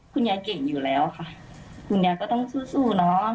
คุณยายเก่งอยู่แล้วค่ะคุณยายก็ต้องสู้สู้เนอะ